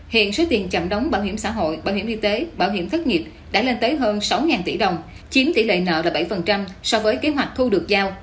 hiện số tiền chậm đóng bảo hiểm xã hội bảo hiểm y tế bảo hiểm thất nghiệp đã lên tới hơn sáu tỷ đồng chiếm tỷ lệ nợ là bảy so với kế hoạch thu được giao